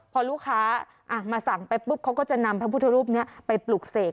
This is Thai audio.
พอลูกค้ามาสั่งไปปุ๊บเขาก็จะนำพระพุทธรูปนี้ไปปลูกเสก